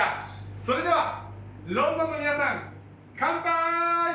それでは、ロンドンの皆さん乾杯！